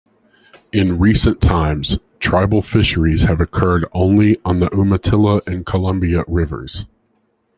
In recent times, tribal fisheries have occurred only on the Umatilla and Columbia rivers.